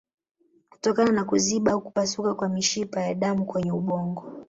Kutokana na kuziba au kupasuka kwa mishipa ya damu kwenye ubongo